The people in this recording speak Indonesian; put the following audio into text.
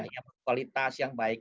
yang kualitas yang baik